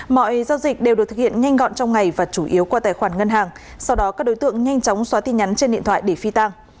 mọi giao dịch đều được thực hiện nhanh gọn trong ngày và chủ yếu qua tài khoản ngân hàng sau đó các đối tượng nhanh chóng xóa tin nhắn trên điện thoại để phi tang